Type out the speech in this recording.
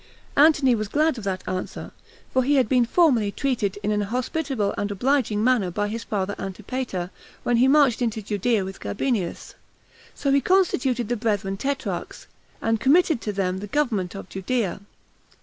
Antony was glad of that answer, for he had been formerly treated in an hospitable and obliging manner by his father Antipater, when he marched into Judea with Gabinius; so he constituted the brethren tetrarchs, and committed to them the government of Judea.